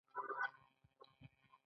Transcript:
فرمان په تقنیني او عادي ډول ویشل شوی.